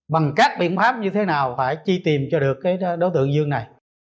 bằng các biện pháp như thế nào phải chi tìm cho được cái đối tượng dương này